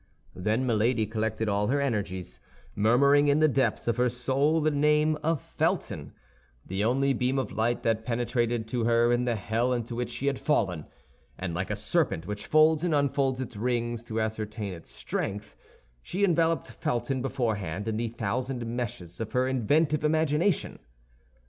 Then Milady collected all her energies, murmuring in the depths of her soul the name of Felton—the only beam of light that penetrated to her in the hell into which she had fallen; and like a serpent which folds and unfolds its rings to ascertain its strength, she enveloped Felton beforehand in the thousand meshes of her inventive imagination.